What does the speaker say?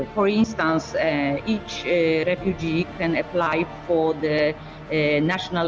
contohnya setiap warga ukraina bisa meminta nomor id nasional